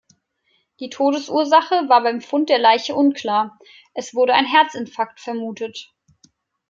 Die Todesursache war beim Fund der Leiche unklar, es wurde ein Herzinfarkt vermutet.